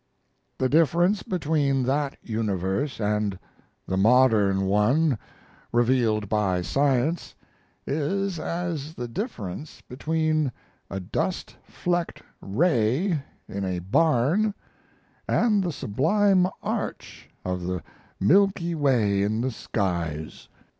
The difference between that universe and the modern one revealed by science is as the difference between a dust flecked ray in a barn and the sublime arch of the Milky Way in the skies.